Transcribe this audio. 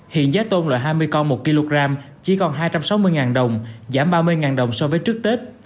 hiện giá tôm loại hai mươi con một kg chỉ còn hai trăm sáu mươi đồng giảm ba mươi đồng so với trước tết